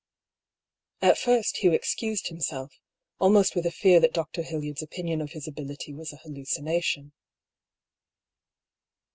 At first, Hugh excused himself, almost with a fear that Dr. Hildyard's opinion of his ability was a halluci nation.